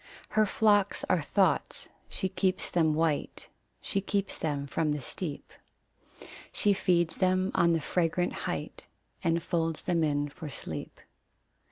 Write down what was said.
Her flocks are thoughts. She keeps them white; She keeps them from the steep; She feeds them on the fragrant height, And folds them in for sleep.